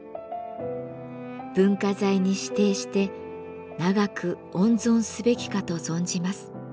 文化財に指定して永く温存すべきかと存じます。